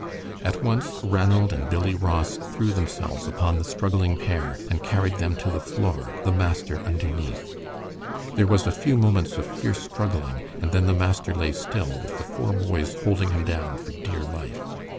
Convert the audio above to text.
At once Ranald and Billy Ross threw themselves upon the struggling pair and carried them to the floor, the master underneath. There was a few moments of fierce struggling, and then the master lay still, with the four boys holding him down for dear life.